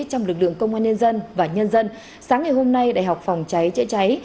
trong lực lượng công an nhân dân và nhân dân sáng ngày hôm nay đại học phòng cháy chữa cháy